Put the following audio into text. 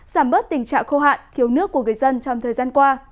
giảm bớt tình trạng khô hạn thiếu nước của người dân trong thời gian qua